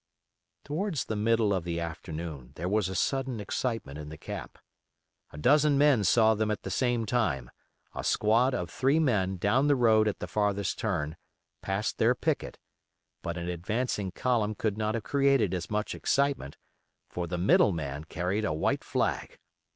Towards the middle of the afternoon there was a sudden excitement in the camp. A dozen men saw them at the same time: a squad of three men down the road at the farthest turn, past their picket; but an advancing column could not have created as much excitement, for the middle man carried a white flag.